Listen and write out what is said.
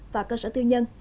và cơ sở tư nhân